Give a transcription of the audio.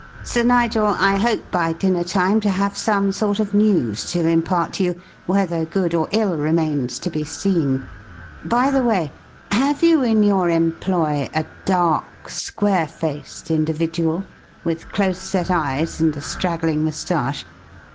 Sir Nigel, I hope by dinner time to have some sort of news to impart to you, whether good or ill remains to be seen. By the way, have you, in your employ, a dark, square faced individual, with close set eyes and a straggling moustache?